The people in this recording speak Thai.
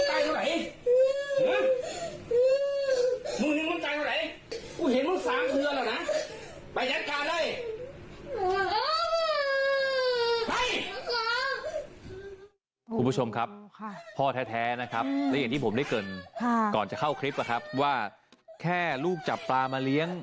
แค่ลูกจับปลามาเลี้ยงให้เอาไปปล่อยนะครับเดี๋ยวเราไปดูคลิปกันหน่อยฮะ